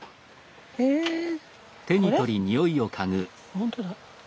本当だ。